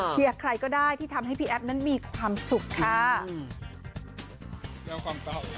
ใครก็ได้ที่ทำให้พี่แอฟนั้นมีความสุขค่ะ